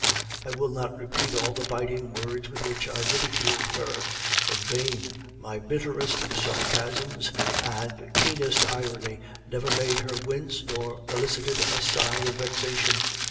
"I will not repeat all the biting words with which I ridiculed her. In vain; my bitterest sarcasms and keenest irony never made her wince nor elicited a sign of vexation.